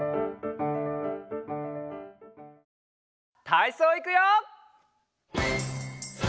たいそういくよ！